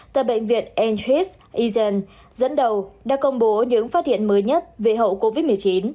tại bệnh viện antreet eson dẫn đầu đã công bố những phát hiện mới nhất về hậu covid một mươi chín